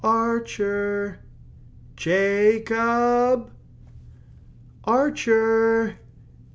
Ar cher! Ja cob!" "Ar cher!